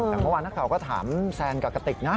แต่เมื่อวานนักข่าวก็ถามแซนกับกะติกนะ